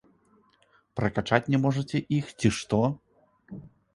Пракачаць не можаце іх ці што?